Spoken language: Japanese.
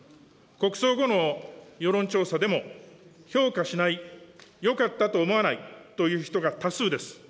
国葬後の世論調査でも評価しない、よかったと思わないという人が多数です。